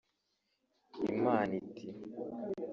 Imana iti